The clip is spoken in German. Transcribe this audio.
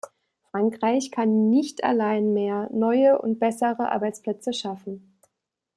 Frankreich kann nicht allein mehr, neue und bessere Arbeitsplätze schaffen.